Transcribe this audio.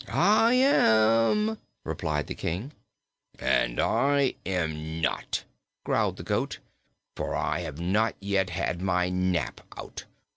"I am," replied the King. "And I am not," growled the goat, "for I have not yet had my nap out.